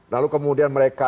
lalu kemudian mereka